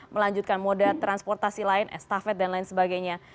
melanjutkan moda transportasi lain estafet dan lain sebagainya